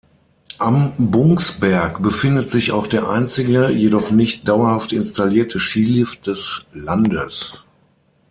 Am Bungsberg befindet sich auch der einzige, jedoch nicht dauerhaft installierte Skilift des Landes.